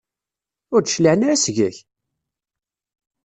Ur d-cliɛen ara seg-k?